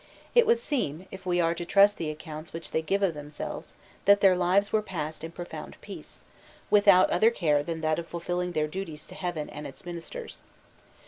It would seem, if we are to trust the accounts which they give of themselves, that their lives were passed in profound peace, without other care than that of fulfilling their duties to heaven and its ministers.